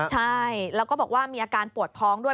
ใช่แล้วก็บอกว่ามีอาการปวดท้องด้วย